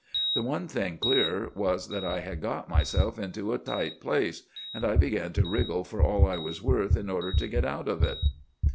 The one thing clear was, that I had got myself into a tight place, and I began to wriggle for all I was worth in order to get out of it.